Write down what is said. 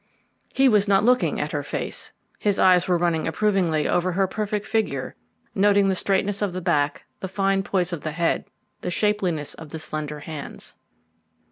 He was not looking at her face. His eyes were running approvingly over her perfect figure, noting the straightness of the back, the fine poise of the head, the shapeliness of the slender hands.